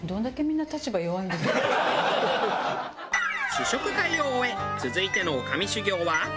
試食会を終え続いての女将修業は。